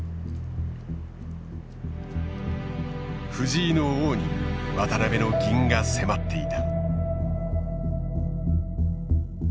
藤井の王に渡辺の銀が迫っていた。